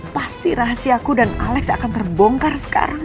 pasti rahasiaku dan alex akan terbongkar sekarang